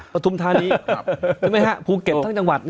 ประทุมธานีภูเก็ตทั้งจังหวัด